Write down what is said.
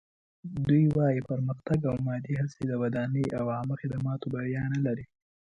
دوی وايي پرمختګ او مادي هڅې د ودانۍ او عامه خدماتو بریا نه لري.